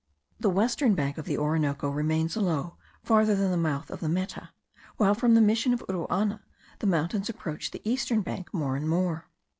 The western bank of the Orinoco remains low farther than the mouth of the Meta; while from the Mission of Uruana the mountains approach the eastern bank more and more.